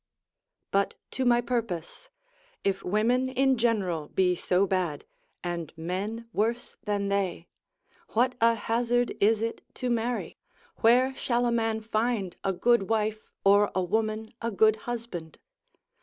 But to my purpose: If women in general be so bad (and men worse than they) what a hazard is it to marry? where shall a man find a good wife, or a woman a good husband?